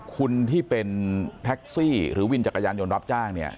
คุณที่เป็นแท็กซี่หรือวินจักรยานยนต์รับจ้างเนี่ย